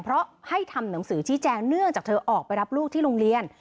เพราะให้ทำหนังสือชี้แจงเนื่องจากเธอออกไปรับลูกที่โรงเรียน